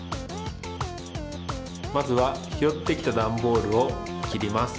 まずはひろってきたダンボールをきります。